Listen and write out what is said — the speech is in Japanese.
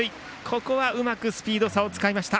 ここはうまくスピード差を使いました。